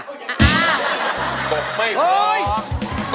กบไม่พร้อง